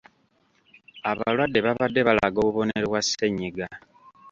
Abalwadde babadde balaga obubonero bwa ssenyiga.